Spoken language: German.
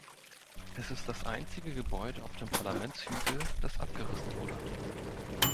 Es ist das einzige Gebäude auf dem Parlamentshügel, das abgerissen wurde.